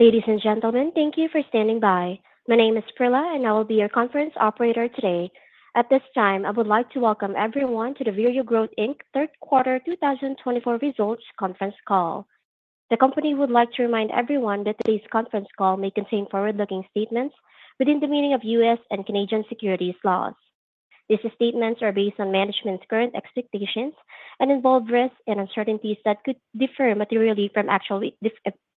Ladies and gentlemen, thank you for standing by. My name is Krilla, and I will be your conference operator today. At this time, I would like to welcome everyone to the Goodness Growth Holdings, Inc third quarter 2024 results conference call. The company would like to remind everyone that today's conference call may contain forward-looking statements within the meaning of U.S. and Canadian securities laws. These statements are based on management's current expectations and involve risks and uncertainties that could differ materially from actual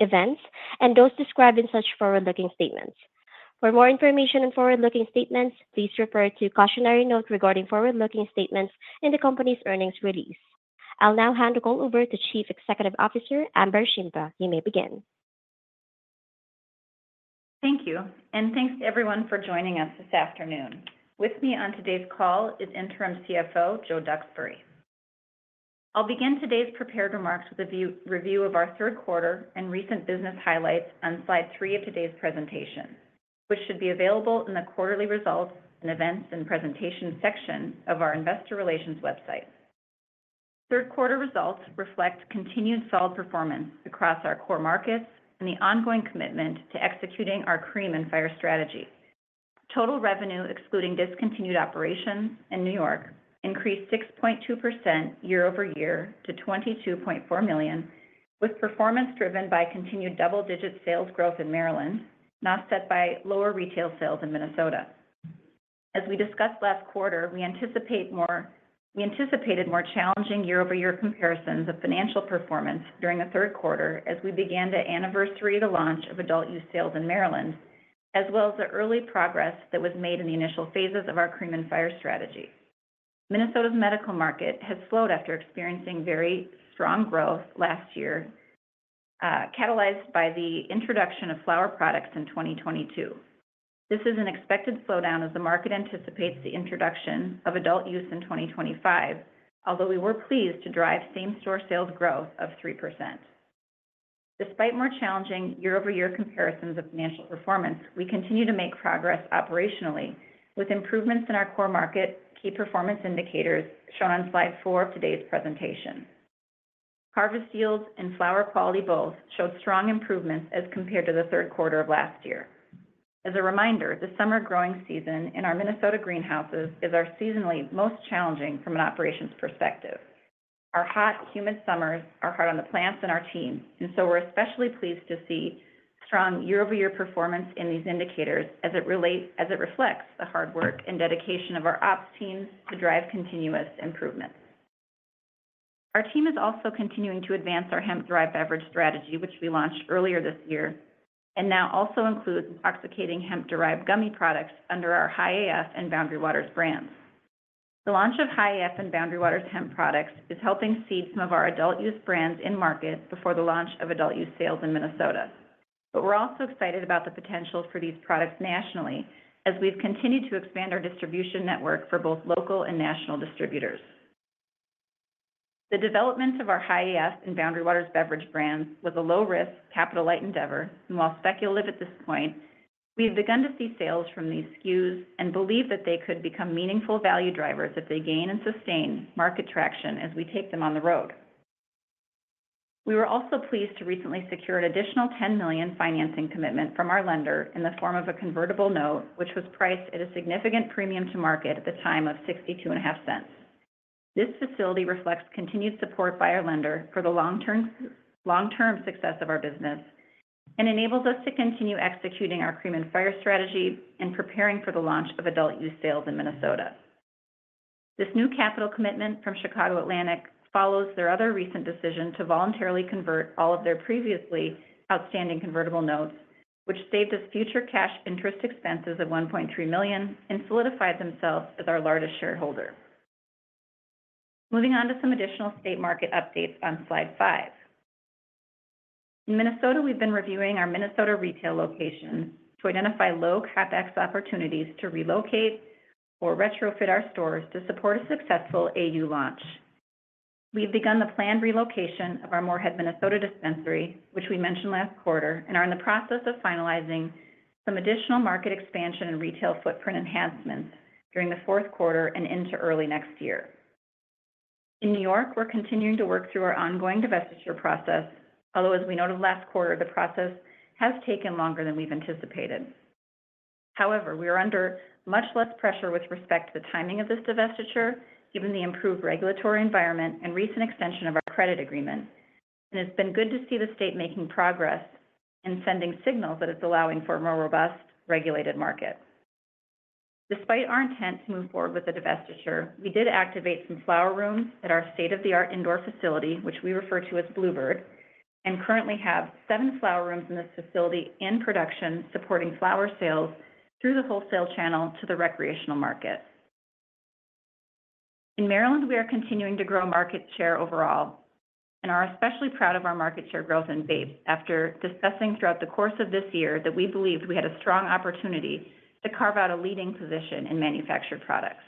events and those described in such forward-looking statements. For more information on forward-looking statements, please refer to the cautionary note regarding forward-looking statements in the company's earnings release. I'll now hand the call over to Chief Executive Officer Amber Shimpa. You may begin. Thank you, and thanks to everyone for joining us this afternoon. With me on today's call is Interim CFO Joe Duxbury. I'll begin today's prepared remarks with a review of our third quarter and recent business highlights on slide three of today's presentation, which should be available in the Quarterly Results and Events and Presentations section of our Investor Relations website. Third quarter results reflect continued solid performance across our core markets and the ongoing commitment to CREAM & Fire strategy. total revenue, excluding discontinued operations in New York, increased 6.2% year-over-year to $22.4 million, with performance driven by continued double-digit sales growth in Maryland, now offset by lower retail sales in Minnesota. As we discussed last quarter, we anticipated more challenging year-over-year comparisons of financial performance during the third quarter as we began the anniversary of the launch of adult use sales in Maryland, as well as the early progress that was made in the initial phases CREAM & Fire strategy. Minnesota's medical market has slowed after experiencing very strong growth last year, catalyzed by the introduction of flower products in 2022. This is an expected slowdown as the market anticipates the introduction of adult use in 2025, although we were pleased to drive same-store sales growth of 3%. Despite more challenging year-over-year comparisons of financial performance, we continue to make progress operationally with improvements in our core market, key performance indicators shown on slide four of today's presentation. Harvest yields and flower quality both show strong improvements as compared to the third quarter of last year. As a reminder, the summer growing season in our Minnesota greenhouses is our seasonally most challenging from an operations perspective. Our hot, humid summers are hard on the plants and our team, and so we're especially pleased to see strong year-over-year performance in these indicators as it reflects the hard work and dedication of our ops team to drive continuous improvements. Our team is also continuing to advance our hemp-derived beverage strategy, which we launched earlier this year and now also includes intoxicating hemp-derived gummy products under our Hi-AF and Boundary Waters brands. The launch of Hi-AF and Boundary Waters hemp products is helping seed some of our adult use brands in market before the launch of adult use sales in Minnesota. But we're also excited about the potential for these products nationally as we've continued to expand our distribution network for both local and national distributors. The development of our Hi-AF and Boundary Waters beverage brands was a low-risk, capital-light endeavor, and while speculative at this point, we've begun to see sales from these SKUs and believe that they could become meaningful value drivers if they gain and sustain market traction as we take them on the road. We were also pleased to recently secure an additional $10 million financing commitment from our lender in the form of a convertible note, which was priced at a significant premium to market at the time of $0.6250. This facility reflects continued support by our lender for the long-term success of our business and enables us to continue CREAM & Fire strategy and preparing for the launch of adult use sales in Minnesota. This new capital commitment from Chicago Atlantic follows their other recent decision to voluntarily convert all of their previously outstanding convertible notes, which saved us future cash interest expenses of $1.3 million and solidified themselves as our largest shareholder. Moving on to some additional state market updates on slide five. In Minnesota, we've been reviewing our Minnesota retail locations to identify low CapEx opportunities to relocate or retrofit our stores to support a successful AU launch. We've begun the planned relocation of our Moorhead, Minnesota dispensary, which we mentioned last quarter, and are in the process of finalizing some additional market expansion and retail footprint enhancements during the fourth quarter and into early next year. In New York, we're continuing to work through our ongoing divestiture process, although, as we noted last quarter, the process has taken longer than we've anticipated. However, we are under much less pressure with respect to the timing of this divestiture, given the improved regulatory environment and recent extension of our credit agreement, and it's been good to see the state making progress and sending signals that it's allowing for a more robust regulated market. Despite our intent to move forward with the divestiture, we did activate some flower rooms at our state-of-the-art indoor facility, which we refer to as Bluebird, and currently have seven flower rooms in this facility in production supporting flower sales through the wholesale channel to the recreational market. In Maryland, we are continuing to grow market share overall and are especially proud of our market share growth in vape after discussing throughout the course of this year that we believed we had a strong opportunity to carve out a leading position in manufactured products.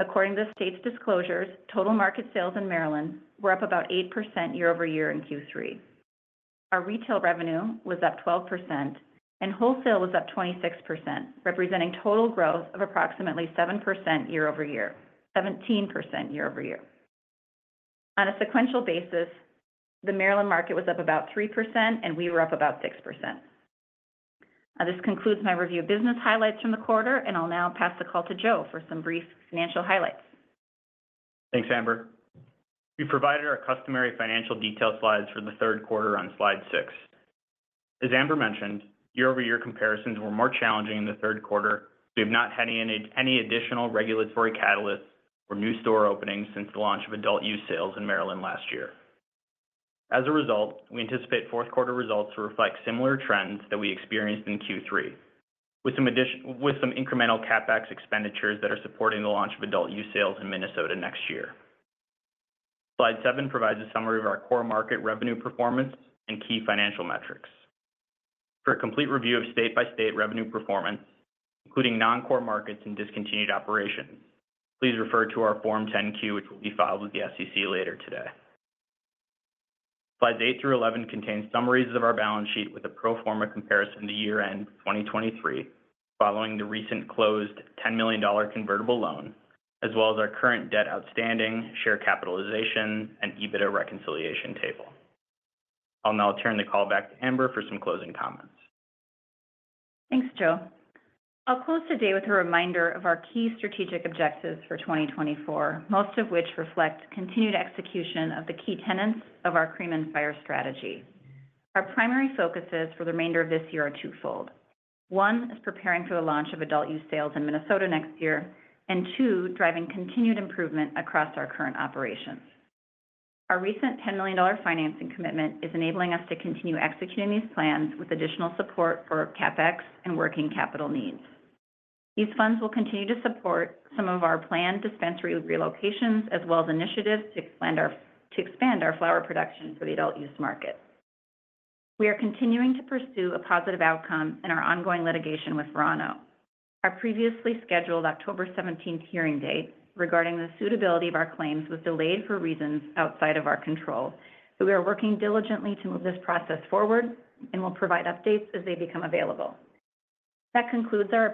According to the state's disclosures, total market sales in Maryland were up about 8% year-over-year in Q3. Our retail revenue was up 12%, and wholesale was up 26%, representing total growth of approximately 7% year-over-year, 17% year-over-year. On a sequential basis, the Maryland market was up about 3%, and we were up about 6%. This concludes my review of business highlights from the quarter, and I'll now pass the call to Joe for some brief financial highlights. Thanks, Amber. We provided our customary financial detail slides for the third quarter on slide six. As Amber mentioned, year-over-year comparisons were more challenging in the third quarter. We have not had any additional regulatory catalysts or new store openings since the launch of adult use sales in Maryland last year. As a result, we anticipate fourth quarter results to reflect similar trends that we experienced in Q3, with some incremental CapEx expenditures that are supporting the launch of adult use sales in Minnesota next year. Slide seven provides a summary of our core market revenue performance and key financial metrics. For a complete review of state-by-state revenue performance, including non-core markets and discontinued operations, please refer to our Form 10-Q, which will be filed with the SEC later today. Slides eight through eleven contain summaries of our balance sheet with a pro forma comparison to year-end 2023 following the recent closed $10 million convertible loan, as well as our current debt outstanding, share capitalization, and EBITDA reconciliation table. I'll now turn the call back to Amber for some closing comments. Thanks, Joe. I'll close today with a reminder of our key strategic objectives for 2024, most of which reflect continued execution of the key tenets CREAM & Fire strategy. Our primary focuses for the remainder of this year are twofold. One is preparing for the launch of adult use sales in Minnesota next year, and two, driving continued improvement across our current operations. Our recent $10 million financing commitment is enabling us to continue executing these plans with additional support for CapEx and working capital needs. These funds will continue to support some of our planned dispensary relocations, as well as initiatives to expand our flower production for the adult use market. We are continuing to pursue a positive outcome in our ongoing litigation with Verano. Our previously scheduled October 17th hearing date regarding the suitability of our claims was delayed for reasons outside of our control, but we are working diligently to move this process forward and will provide updates as they become available. That concludes our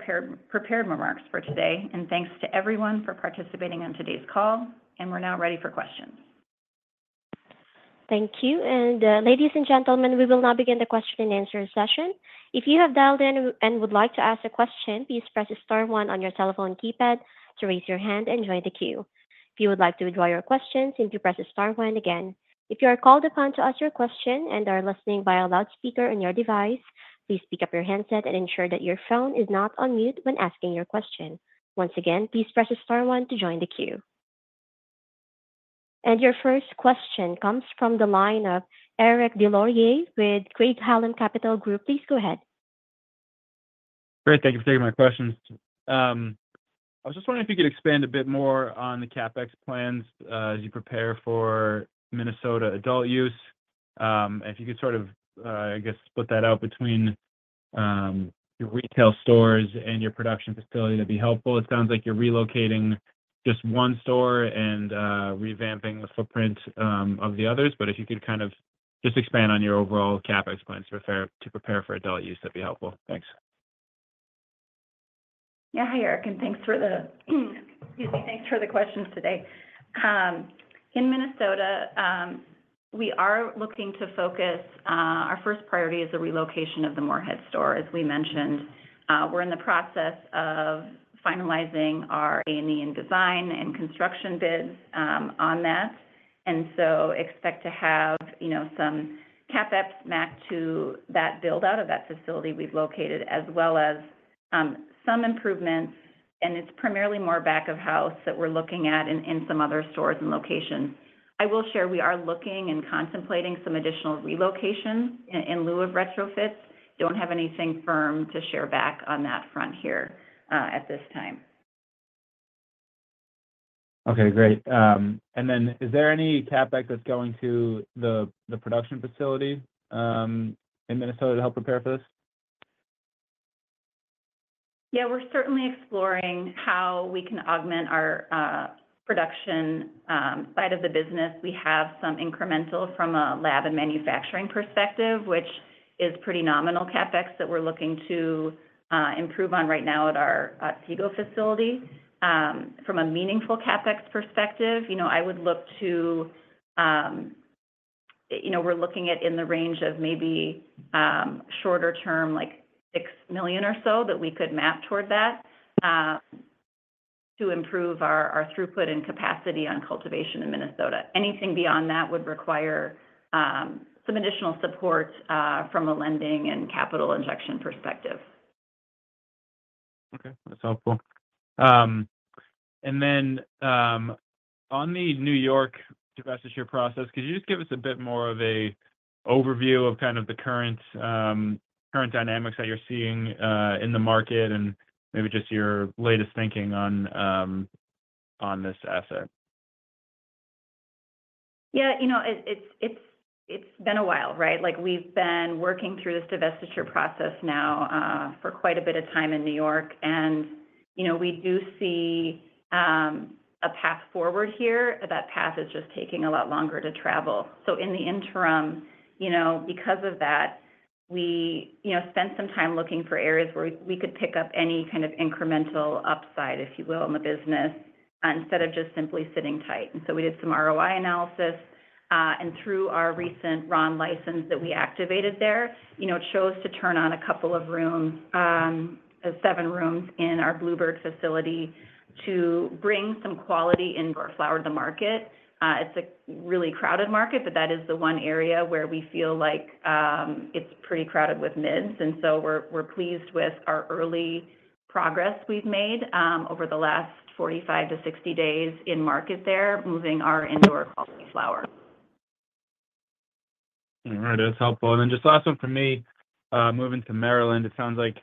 prepared remarks for today, and thanks to everyone for participating in today's call, and we're now ready for questions. Thank you. And ladies and gentlemen, we will now begin the question and answer session. If you have dialed in and would like to ask a question, please press star one on your telephone keypad to raise your hand and join the queue. If you would like to withdraw your question, simply press star one again. If you are called upon to ask your question and are listening via loudspeaker on your device, please pick up your headset and ensure that your phone is not on mute when asking your question. Once again, please press star one to join the queue. And your first question comes from the line of Eric Des Lauriers with Craig-Hallum Capital Group. Please go ahead. Great. Thank you for taking my questions. I was just wondering if you could expand a bit more on the CapEx plans as you prepare for Minnesota adult use. If you could sort of, I guess, split that out between your retail stores and your production facility, that'd be helpful. It sounds like you're relocating just one store and revamping the footprint of the others, but if you could kind of just expand on your overall CapEx plans to prepare for adult use, that'd be helpful. Thanks. Yeah, hi, Eric. And thanks for the, excuse me, thanks for the questions today. In Minnesota, we are looking to focus. Our first priority is the relocation of the Moorhead store, as we mentioned. We're in the process of finalizing our A&E and design and construction bids on that, and so expect to have some CapEx mapped to that build-out of that facility we've located, as well as some improvements. And it's primarily more back of house that we're looking at in some other stores and locations. I will share we are looking and contemplating some additional relocation in lieu of retrofits. Don't have anything firm to share back on that front here at this time. Okay, great. And then is there any CapEx that's going to the production facility in Minnesota to help prepare for this? Yeah, we're certainly exploring how we can augment our production side of the business. We have some incremental from a lab and manufacturing perspective, which is pretty nominal CapEx that we're looking to improve on right now at our Otsego facility. From a meaningful CapEx perspective, we're looking at in the range of maybe shorter-term, like $6 million or so, that we could map toward that to improve our throughput and capacity on cultivation in Minnesota. Anything beyond that would require some additional support from a lending and capital injection perspective. Okay, that's helpful, and then on the New York divestiture process, could you just give us a bit more of an overview of kind of the current dynamics that you're seeing in the market and maybe just your latest thinking on this asset? Yeah, it's been a while, right? We've been working through this divestiture process now for quite a bit of time in New York, and we do see a path forward here. That path is just taking a lot longer to travel, so in the interim, because of that, we spent some time looking for areas where we could pick up any kind of incremental upside, if you will, in the business instead of just simply sitting tight, and so we did some ROI analysis, and through our recent RO license that we activated there, you know, chose to turn on a couple of rooms, seven rooms in our Bluebird facility to bring some quality indoor flower to the market. It's a really crowded market, but that is the one area where we feel like it's pretty crowded with mids, and so we're pleased with our early progress we've made over the last 45-60 days in market there, moving our indoor quality flower. All right, that's helpful. And then just last one for me, moving to Maryland, it sounds like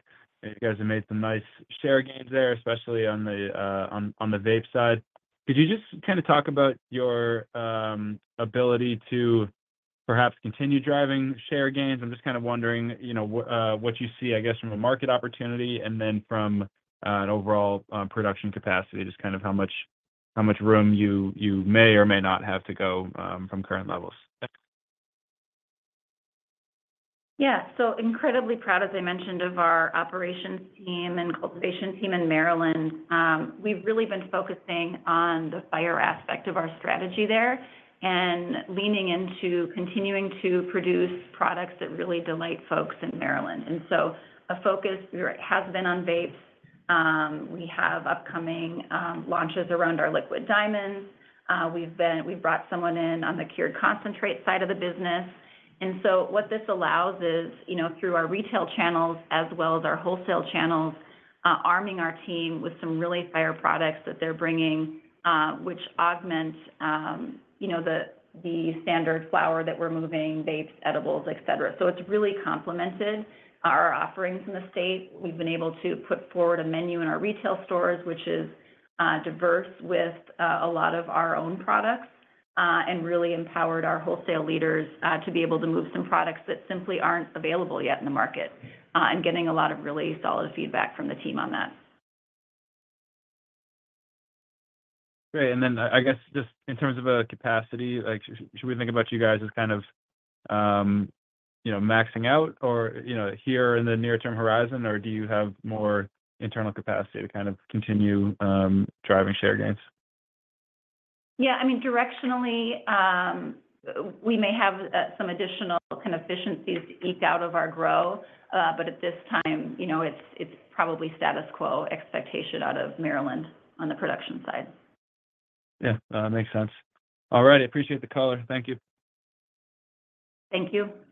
you guys have made some nice share gains there, especially on the Vape side. Could you just kind of talk about your ability to perhaps continue driving share gains? I'm just kind of wondering what you see, I guess, from a market opportunity and then from an overall production capacity, just kind of how much room you may or may not have to go from current levels. Yeah, so incredibly proud, as I mentioned, of our operations team and cultivation team in Maryland. We've really been focusing on the fire aspect of our strategy there and leaning into continuing to produce products that really delight folks in Maryland. And so a focus has been on vapes. We have upcoming launches around our liquid diamonds. We've brought someone in on the cured concentrate side of the business. And so what this allows is, through our retail channels as well as our wholesale channels, arming our team with some really fire products that they're bringing, which augment the standard flower that we're moving: vapes, edibles, etc. So it's really complemented our offerings in the state. We've been able to put forward a menu in our retail stores, which is diverse with a lot of our own products, and really empowered our wholesale leaders to be able to move some products that simply aren't available yet in the market, and getting a lot of really solid feedback from the team on that. Great. And then I guess just in terms of capacity, should we think about you guys as kind of maxing out here in the near-term horizon, or do you have more internal capacity to kind of continue driving share gains? Yeah, I mean, directionally, we may have some additional kind of efficiencies to eke out of our grow, but at this time, it's probably status quo expectation out of Maryland on the production side. Yeah, that makes sense. All right, I appreciate the color. Thank you. Thank you.